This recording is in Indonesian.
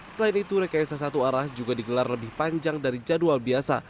selain itu rekayasa satu arah juga digelar lebih panjang dari jadwal biasa